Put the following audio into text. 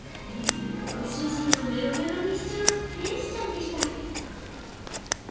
ご主人をメロメロにしちゃう天使ちゃんでした。